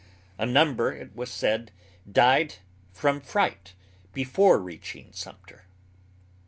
A number, it was said, died from fright before reaching Sumter.